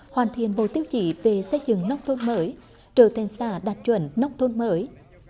hoàn thiện bộ tiêu chỉ về xây dựng nông thôn mới trở thành xà đạt chuẩn nông thôn mới